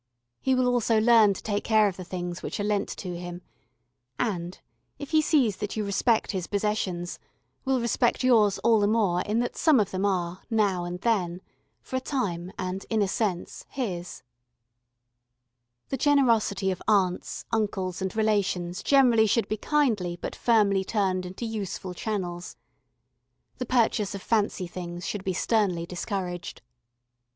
He will also learn to take care of the things which are lent to him, and, if he sees that you respect his possessions, will respect yours all the more in that some of them are, now and then, for a time and in a sense, his. [Illustration: THE TURQUOISE TEMPLE.] 40] The generosity of aunts, uncles, and relations generally should be kindly but firmly turned into useful channels. The purchase of "fancy" things should be sternly discouraged.